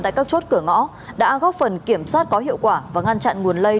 tại các chốt cửa ngõ đã góp phần kiểm soát có hiệu quả và ngăn chặn nguồn lây